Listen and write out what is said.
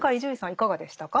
いかがでしたか？